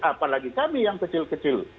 apalagi kami yang kecil kecil